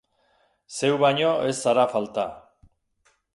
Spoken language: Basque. Zeu baino ez zara falta.